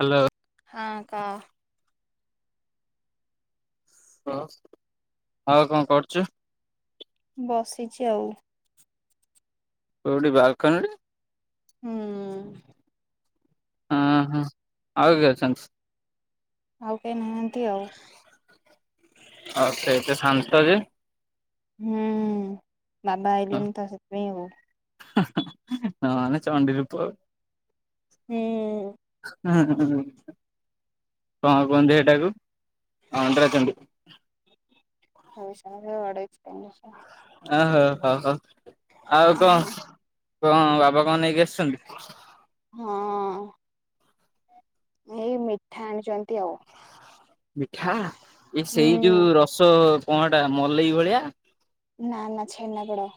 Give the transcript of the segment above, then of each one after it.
Hello. ହଁ କହ। ହ ଆଉ କଣ କରୁଚୁ। ବସିଚି ଆଉ। କୋଉଠି ବାଲ୍ କୁନି ରେ। ହୁଁ। ଉଁ ହୁଁ ଆଉ କିଏ ଅଛନ୍ତି। ଆଉ କେହି ନାହାନ୍ତି ଆଉ। ଆଉ ସେଇତ ସାନ୍ତ ଯେ ହୁଁ ବାବା ଆଇଲେଣିି ତ ସେଥିପାଇଁ ଆଉ। ନନେ ଚଣ୍ଡି ରୁପ। ହୁଁ। ଉଁ ହୁଁ ହୁଁ କଣ କୁହନ୍ତି ହେଟାକୁ ଅଣ୍ଡ୍ରା ଚଣ୍ଡି। ହଉଡପ [unintelligible] ଓହୋ ହୋ ହଉ ଆଉ କଣ କଣ ବାବା କଣ ନେଇକି ଆସିଛନ୍ତି। ହଁ। ହେଇ ମିଠା ଆଣିଚନ୍ତି ଆଉ। ମିଠା ଏ ସେଇ ହୁଁ। ଯୋଉ ରସ କଣ ଟା ମଲେଇ ଭଳିଆ। ନା ନା ଛେନାପେଡା।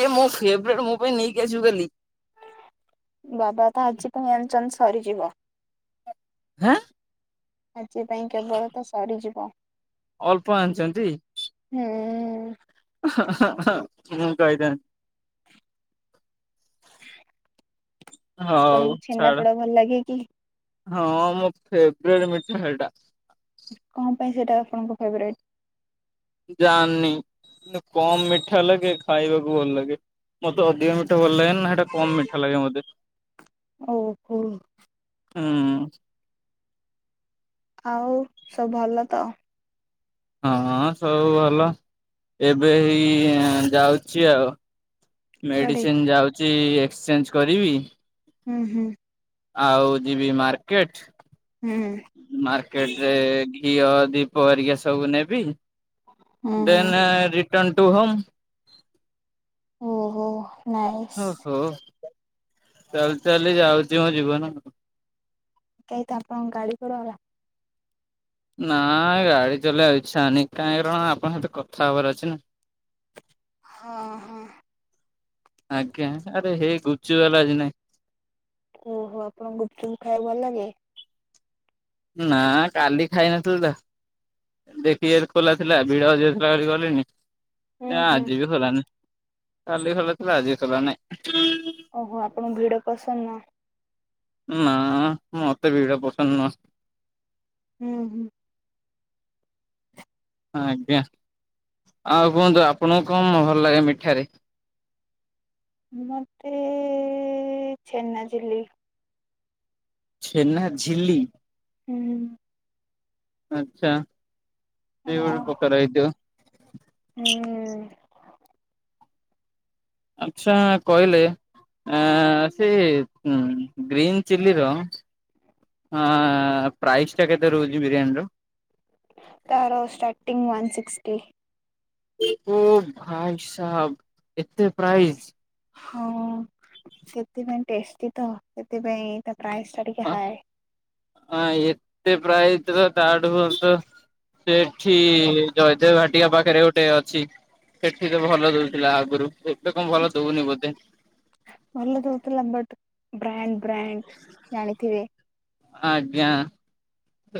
ଏଇ ମୋ ଫେବେରେଟ୍ ମୋ ପାଇଁ ନେଇକି ଆସିବୁ କାଲି। ବାବା ତ ଆଜି ପାଇଁ ଆଣିଚନ୍ତି ସରିଯିବ। ହେଁ ଆଜି ପାଇଁ କେବଳ ତ ସରିଯିବ। ଅଳ୍ପ ଆଣିଚନ୍ତି। ହୁଁ ମୁଁ ଖାଇଥାନ୍ ହଉ ଆପଣଙ୍କୁ ଛେନା ଛାଡ ପୋଡା ଭଲ ଲାଗେ କି? ହଁ ଅଁ ମୋ ଫେବେରେଟ୍ ମିଠା ହେଟା। କଣ ପାଇଁ ସେଇଟା ଆପଣଙ୍କ ଫେବରାଇଟ୍? ଜାନି ନା କମ୍ ମିଠା ଲାଗେ ଖାଇବାକୁ ଭଲ ଲାଗେ ମତେ ଅଧିକା ମିଠା ଭଲ ଲାଗେନି ନା। କମ୍ ମିଠା ଲାଗେ ମତେ ଓହୋ ହୁଁ। ଆଉ ସବୁ ଭଲ ତ? ହଁ ସବୁ ଭଲ ଏବେ ଏଇ ଯାଉଚି ଆଉ କୁଆଡେ ମେଡିସିନ ଯାଉଛି ଏକ୍ସଚେଞ୍ଜ କରିବି। ହୁଁ ହୁଁ। ଆଉ ଯିବି ମାର୍କେଟ। ହୁଁ। ମାର୍କେଟ ରେ ଘିଅ ଦୀପ ଏରିକା ସବୁ ନେବି ହୁଁ ହୁଁ ଦେନ୍ ରିଟନ ଟୁ ହୋମ୍। ଓହୋ। ନାଇସ୍ ଓ ହୋ ଚାଲି ଚାଲି ଯାଉଛି ମୋ ଜୀବନ। କାଇ ତ ଆପଣଙ୍କ ଗାଡି କୁଆଡେ ଗଲା? ନା ଗାଡି ଚଲେଇବା ଇଛା ହୋନୀ କାହିଁକାରଣ ଆପଣଙ୍କ ସହିତ କଥା ହବାର ଅଛି ନା ହଁ ହଁ। ଆଜ୍ଞା, ଆରେ ହେ ଗୁଚୁ ବାଲା ଆଜି ନାଇଁ ଓହୋ ଆପଣଙ୍କୁ ଗୁପଚୁପ ଖାଇବା ଭଲ ଲାଗେ? ନା କାଲି ଖାଇନଥିଲି ତ ଦେଖି ଖୋଲା ଥିଲା ଭିଡ ଅଧିକ ଥିଲା ବୋଲି ଗଲିନି ହୁଁ ନା ହୁଁ। ଆଜି ବି ଖୋଲାନି। କାଲି ଖୋଲା ଥିଲା ଆଜି ଖୋଲା ନାଇଁ। ଓହୋ ଆପଣଙ୍କୁ ଭିଡ ପସନ୍ଦ ନୁଅ। ନା ମତେ ଭିଡା ପସନ୍ଦ ନୁହଁ। ହୁଁ ହୁଁ। ଆଜ୍ଞା, ଆଉ କୁହନ୍ତୁ ଆପଣଙ୍କୁ କଣ ଭଲ ଲାଗେ ମିଠାରେ? ମତେ ଛେନାଝିଲି। ଛେନା ଝିଲ୍ଲୀ। ହୁଁ। ଆଚ୍ଛା। ସେ ହଁ ଗୋଟେ ପ୍ରକାର ହେଇଥିବ ଏ ଆଛା କହିଲେ ଆ ସେ ଗ୍ରୀନ ଚିଲି ର ହଁ ପ୍ରାଇସ୍ ଟା କେତେ ରହୁଛି ବିରିୟାନୀ ର? ତାର ଷ୍ଟାଟିଂ ୱନ୍ ସିକ୍ସଟି। ଓ ଭାଇ ସାବ ଏତେ ପ୍ରାଇଜ। ହଁ ସେଥିପାଇଁ ଟେଷ୍ଟି ତ ସେଥିପାଇଁ ତା ପ୍ରାଇସ୍ ଟା ଟିକେ ଆ ହାଏ। ହଁ ଏତେ ପ୍ରାଇଜ୍ ତା ଠୁ ଭଲ ସେଠି ଜୟଦେବ ଭାଟିକା ପାଖରେ ଗୋଟେ ଅଛି ସେଠି ତ ଭଲ ଦଉଥିଲା ଆଗରୁ ଏବେ କଣ ଭଲ ଦଉନି ବୋଧେ। ଭଲ ଦଉଥିଲା ବଟ ବ୍ରାଣ୍ଡ ବ୍ରାଣ୍ଡ ଜାଣିଥିବେ। ଆଜ୍ଞା,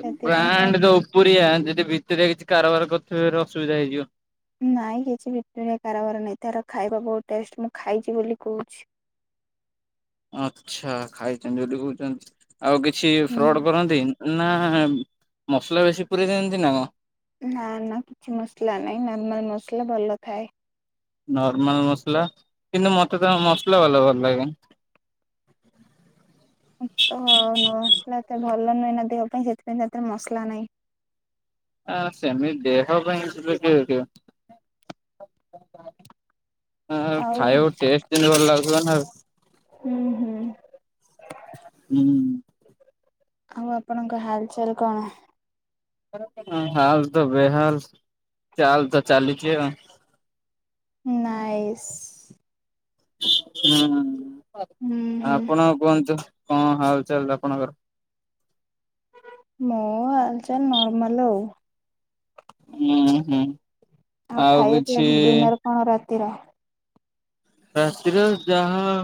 ସେଥିପାଇଁ ତା ବ୍ରାଣ୍ଡ ଦ ପୁରିଆ ଯଦି ଭିତିରିଆ କିଛି କାରବାର କରିଥିବେ ଅସୁବିଧା ହେଇଯିବ। ନାଇଁ କିଛି ଭିତିରିଆ କାରବାର ନାଇଁ, ତାର ଖାଇବା ବହୁତ ଟେଷ୍ଟ ମୁଁ ଖାଇଛି ବୋଲି କହୁଛି। ଆଛା, ଖାଇଛନ୍ତି ବୋଲି କହୁଛନ୍ତି, ଆଉ କିଛି ହୁଁ। ଫ୍ରଡ କରନ୍ତି ନା ମସଲା ବେଶୀ ପୁରେଇ ଦଅନ୍ତି ନା କଣ? ନା ନା କିଛି ମସଲା ନାଇଁ, ନର୍ମାଲ ମସଲା ଭଲ ଥାଏ। ନର୍ମାଲ ମସଲା କିନ୍ତୁ ମତେ ତ ମସଲା ଭଲ ଭଲ ଲାଗେ। ତ ଆଉ ମସଲା ଏତେ ଭଲ ନୁହେଁ ନା ଦେହ ପାଇଁ ସେଥିପାଇଁ ତାଦେରେ ମସଲା ନାହିଁ। ଆ ସେମିତି ଦେହ ପାଇଁ [unintelligible] ହ ଆଉ ଖାଇବାକୁ ଟେଷ୍ଟ ଯେମତି ଭଲ ଲାଗୁଥିବ ନାଉ। ହୁଁ ହୁଁ। ହୁଁ। ଆଉ ଆପଣଙ୍କ ହାଲଚାଲ କଣ? ହାଲ ତ ବେହାଲ ଚାଲ ତ ଚାଲିଛି। ନାଇସ୍। ହୁଁ। ହୁଁ। ହୁଁ ଆପଣ କୁହନ୍ତୁ କଣ ହାଲ ଚାଲ ଆପଣଙ୍କର? ମୋ ହାଲ ଚାଲ ନର୍ମାଲ ଆଉ। ହୁଁ ହୁଁ। ଆଉ ଖାଇବା ପିଇବା ଡିନର କଣ ରାତିର? ରାତିରେ ଯାହା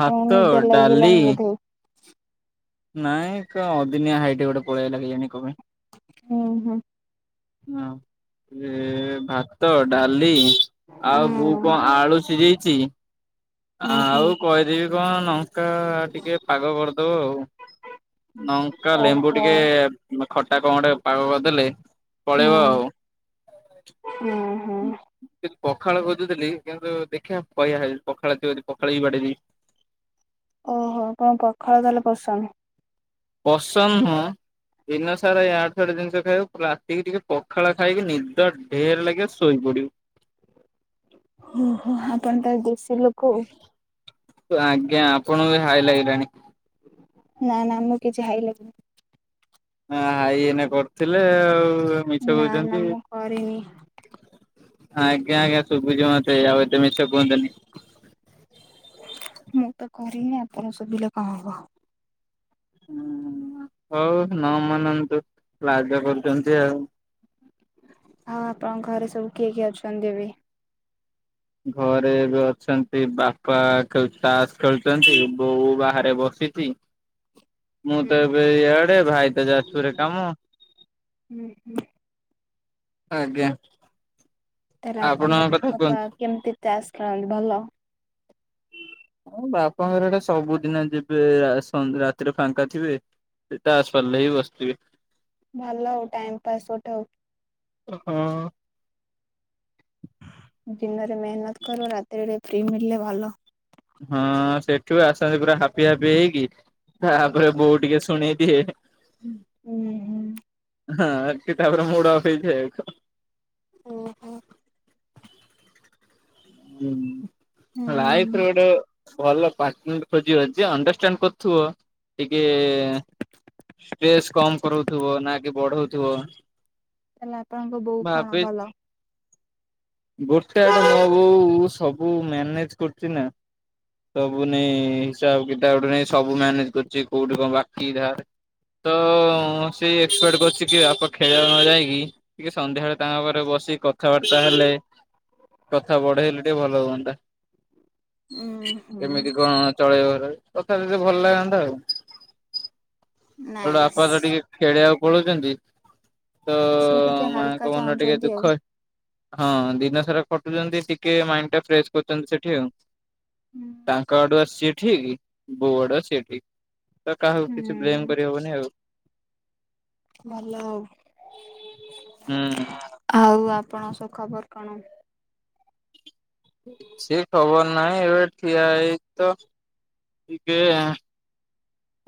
ଆପଣଙ୍କୁ ନିଦ ଡାଲି ଲାଗିଲାଣି ବୋଧେ। ନାଇଁ କ ଅଦିନିଆ ହାଇଟେ ଗୋଟେ ପଳେଇଆଇଲା କଣ ପାଇଁ କେଜାଣି। ହୁଁ ହଁ। ହ ଏ ଭାତ ଡାଲି ହୁଁ ଆଉ ବୋଉ କଣ ଆଳୁ ସିଝେଇଛି ହୁଁ ଆଉ ହୁଁ କହିଦେବି କଣ ନ ଲଙ୍କା ଟିକେ ପାଗ କରିଦବ ଆଉ ଲଙ୍କା ଲେମ୍ବୁ ଓହୋ ଟିକେ କିମ୍ୱା ଖଟା କଣ ଗୋଟେ ପାଗ କରିଦେଲେ ପଳେଇବ ହୁଁ ଆଉ। ହୁଁ ହୁଁ। କିନ୍ତୁ ପଖାଳ ଖୋଜୁଥିଲି କିନ୍ତୁ ଦେଖିବା କହିଆ ହେଇ ପଖାଳ ପଖାଳ ବି ବାଡେଇଦେବି ଓହୋ ଆପଣ ପଖାଳ ତାହାଲେ ପସନ୍ଦ। ପସନ୍ଦ ନୁହଁ। ଦିନ ସାରା ଇଆଡେସିଆଡୁ ଜିନିଷ ଖାଇବୁ। ରାତିକି ଟିକେ ପଖାଳ ଖାଇକି ନିଦ ଢେର ଲାଗିବ ଶୋଇପଡିବୁ। ଓହୋ ଆପଣ ତ ଦେଶୀ ଲୋକ। ତ ଆଜ୍ଞା ଆପଣଙ୍କୁ ବି ହାଇ ଲାଗିଲାଣି। ନା ନା ମୁଁ କିଛି ହାଇ ଲାଗିନି। ହ ହାଇ ଏନା କରୁଥିଲେ ଆଉ। ମିଛ ନା ନା କହୁଛନ୍ତି। ମୁଁ କରିନି। ଆଜ୍ଞା ଆଜ୍ଞା ଶୁବିଚି ମତେ ଆଉ ଏତେ ତେ ମିଛ କୁହନ୍ତୁନି। ମୁଁ ତ କରିନି ଆପଣ ଶୁବିଲେ କଣ ହବ। ହୁଁ ହଉ ନ ମାନନ୍ତୁ ଲାଜ କରୁଛନ୍ତି ଆଉ। ଆଉ ଆପଣଙ୍କ ଘରେ ସବୁ କିଏ କିଏ ଅଛନ୍ତି ଏବେ? ଘରେ ବି ଅଛନ୍ତି ବାପା ତାଷ ଖେଳୁଛନ୍ତି ବୋଉ ବାହାରେ ବସି ମୁଁ ହୁଁ ତ ଏବେ ଇଆଡେ ଭାଇ ତ ଯାଜପୁରରେ କାମ। ହୁଁ ହୁଁ। ଆଜ୍ଞା। ତାହେଲେ ଆପଣଙ୍କ କଥା ବାପା କୁହନ୍ତୁ। କେମିତି ତାସ୍ ଖେଳନ୍ତି ଭଲ? ହଁ ବାପାଙ୍କର ଏଟା ସବୁଦିନ ଯିବେ ରା ସନ୍ଧ ରାତିରେ ଫାଙ୍କା ଥିବେ। ସେ ତାସ୍ ସରିଲେ ବି ବସିଥିବେ। ଭଲ ଆଉ ଟାଇମ ପାସ୍ ଗୋଟେ ଆଉ। ହଁ। ଦିନରେ ମେହନତ କର ରାତିରେ ଟିକେ ଫ୍ରି ମିଳିଲେ ଭଲ। ହଁ ସେଠୁ ଆସନ୍ତି ପୁରା ହାପି ହାପି ହେଇକି ତାପରେ ବୋଉ ଟିକେ ଶୁଣେଇଦିଏ। ହୁଁ। ହୁଁଁ। ହଁ ଏଠି ତାପରେ ମୁଡ୍ ଅଫ ହେଇଯାଏ ଆଉ କଣ। ଓ। ହୁଁ ହୁଁ ଲାଇଫରେ ଗୋଟେ ଭଲ ପାଟନର ଖୋଜିବ ଯିଏ ଅଣ୍ଡରଷ୍ଟାଣ୍ଡ କରୁଥିବ ଟିକେ ଷ୍ଟ୍ରେସ କମ କରଉଥିବ ନା କି ବଢଉଥିବ। ତାହେଲେ ଆପଣଙ୍କ ବୋଉ ଭାବେ କଣ ଭଲ। ଗୋଟେ ଆଡେ ମୋ ବୋଉ ସବୁ ମ୍ୟାନେଜ କରୁଛି ନା। ସବୁ ନେଇ ହିସାବ କିତାବ ଠୁ ନେଇ ସବୁ ମ୍ୟାନେଜ କରୁଛି କୋଉଠି କଣ ବାକି ଧାର ତ ସେ ଏକ୍ସପେଟ କରୁଛି କି ବାପା ଖେଳିବାକୁ ନ ଯାଇକି ଟିକେ ସନ୍ଧ୍ୟାବେଳେ ତାଙ୍କ ପାଖରେ ବସି କଥାବାର୍ତ୍ତା ହେଲେ କଥା ବଢେଇଲେ ଟିକେ ଭଲ ହୁଅନ୍ତା। ଉଁ ହୁଁ କେମିତି କଣ ଚଳେଇବାର କଥା ହେଲେ ଭଲ ଲାଗନ୍ତା ଆଉ। [unintelligible] ବାପା ତ ନାଇସ୍। ଟିକେ ଖେଳିଆକୁ ପଳଉଚନ୍ତି। ସିଏ ଟିକେ ହାଲକା ଚାହୁଁଚନ୍ତି ଦୁଃଖ ଆଉ। ହଁ ଦିନ ସାରା ଖଟୁଚନ୍ତି ଟିକେ ମାଇଣ୍ଡ୍ ଟା ଫ୍ରେସ୍ କରୁଚନ୍ତି ସେଠି ଆଉ। ହୁଁ ତାଙ୍କ ଆଡୁଆ ସିଏ ଠିକ୍ ବୋଉ ଆଡୁଆ ସିଏ ଠିକ୍। ତ କାହାକୁ କିଛି ବ୍ଲେମ୍ କରି ହବନି ଆଉ। ଭଲ ଆଉ। ହୁଁ। ଆଉ ଆପଣଙ୍କ ସବୁ ଖବର କଣ? ସିଏ ଖବର ନାହିଁ ଏବେ ଠିଆ ହେଇଚି ତ ଟିକେ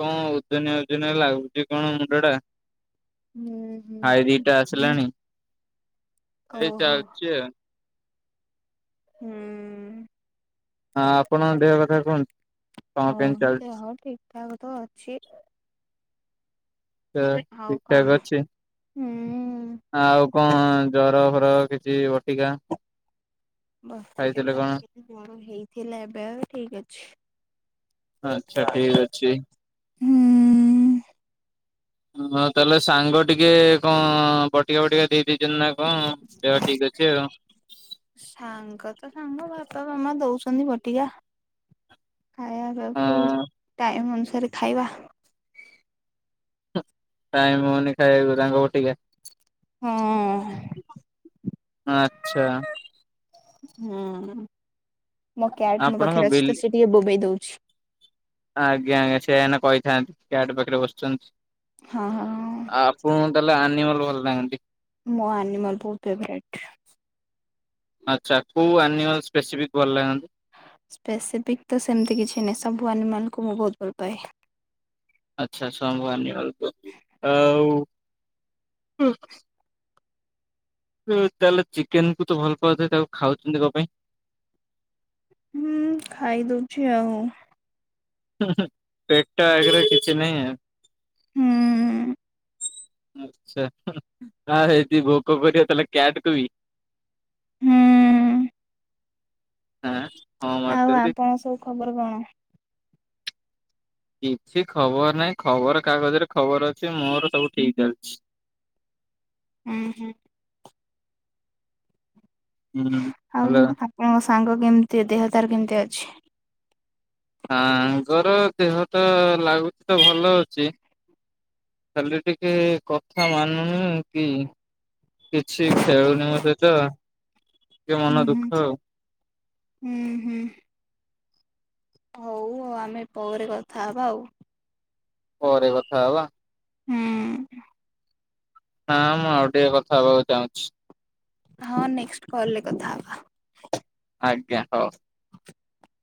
କଣ ଓଜନିଆ ଓଜନିଆ ଲାଗୁଚି କଣ ମୁଣ୍ଡ ଟା। ହୁଁ ହୁଁ ହାଇ ଦିଟା ଆସିଲାଣି ଏଇ ଓହୋ ଚାଲଚି ଆଉ। ହୁଁ। ହଁ ଆପଣଙ୍କ ଦେହ କଥା କୁହନ୍ତୁ। କଣ ହଁ କେମିତି ଚାଲିଛି ଦେହ ଠିକ୍ ଠାକ୍ ତ ଅଛି। ଆଉ ଠିକ ଠାକ କଣ? ଅଛି। ହୁଁ। ଆଉ କଣ ଜର ଫର କିଛି ବଟିକା। ବଟିକା ଖାଇଥିଲେ କଣ ଖାଇଥିଲି ଜ୍ୱର ହେଇଥିଲା ଏବେ ଆଉ ଠିକ୍ ଅଛି। ଆଚ୍ଛା ଠିକ୍ ଅଛି। ହୁଁ। ହୁଁ ଆଉ ତାହେଲେ ସାଙ୍ଗ ଟିକେ କଣ ବଟିକା ଫଟିକା ଦେଇ ଦେଇ ଚନ୍ତି ନା କଣ ଦେହ ଠିକ୍ ଅଛି ଆଉ। ସାଙ୍ଗ ତ ସାଙ୍ଗ ବାପା ମାମା ଦଉସନ୍ତି ବଟିକା। ଖାଇଆ ପିଆକୁ ହଁ ଟାଇମ ଅନୁସାରେ ଖାଇବା। ଟାଇମ ହଉନି ଖାଇଆକୁ ତାଙ୍କ ବଟିକା। ହଁ ଆଚ୍ଛା। ହୁଁ ମୋ କ୍ୟାଟ ମୋ ଆପଣଙ୍କ ପାଖରେ ବିଲ ଅଛି ତ ସିଏ ଟିକେ ବୋବେଇ ଦଉଛି। ଆଜ୍ଞା ଆଜ୍ଞା ସେୟା ଏଇନା କହିଥାନ୍ତି କ୍ୟାଟ ପାଖରେ ବସିଚନ୍ତି। ହଁ ହଁ। ଆପଣଙ୍କୁ ତାହେଲେ ଆନିମଲ ଭଲ ଲାଗନ୍ତି। ମୋ ଆନିମଲ ବହୁତ ଫେବରେଟ୍। ଆଚ୍ଛା କୋଉ ଆନିମଲ ସ୍ପେସିଫିକ୍ ଭଲ ଲାଗନ୍ତି? ସ୍ପେସିଫିକ୍ ତ ସେମତି କିଛି ନାହିଁ ସବୁ ଆନିମାଲକୁ ମୁଁ ବହୁତ ଭଲ ପାାଏ। ଆଚ୍ଛା ସମ୍ବୁ ଆନିମଲ କୁ ଆଉ ଉ ତାହେଲେ ଚିକେନ କୁ ତ ଭଲ ପାଉଥିବେ ତାକୁ ଖାଉଚନ୍ତି କଣ ପାଇଁ? ହୁଁ ଖାଇ ଦଉଛି ଆଉ। ହୁଁ ହୁଁ ପେଟ ଆଗରେ କିଛି ନାହିଁ ଆଉ। ହୁଁ। ଆଚ୍ଛା ହୁଁ ଆ ସେଇଟି ଭୋକ କରିବ ତାହେଲେ କ୍ୟାଟ କୁ ବି। ହୁଁ। ଆଁ ହଁ ଆଉ ମାରୁଚନ୍ତି। ଆପଣ ସବୁ ଖବର କଣ? କିଛି ଖବର ନାଇଁ ଖବର କାଗଜରେ ଖବର ଅଛି ମୋର ସବୁ ଠିକ୍ ଚାଲଛି। ହୁଁ ହୁଁ। ହୁଁ ଆଉ ହ୍ୟାଲୋ ଆପଣଙ୍କ ସାଙ୍ଗ କେମତି ଦେହ ତାର କେମତି ଅଛି? ସାଙ୍ଗର ଦେହ ତ ଲାଗୁଚି ତ ଭଲ ଅଛି। ଖାଲି ଟିକେ କ ଥା ମାନୁନି କି କିଛି ଖେଳୁନି ମୋ ସହିତ। ଟିକେ ହୁଁ ମନ ହୁଁ ଦୁଃଖ ଆଉ। ହୁଁ ହୁଁ। ହଉ ଆଉ ଆମେ ପରେ କଥା ହବା ଆଉ। ପରେ କଥା ହବା। ହୁଁ। ହଁ ମୁଁ ଆଉ ଟିକେ କଥା ହବାକୁ ଚାହୁଁଛି। ହଁ ନେକ୍ସଟ କଲରେ କଥା ହବା। ଆଜ୍ଞା ହଉ। ହ [unintelligible]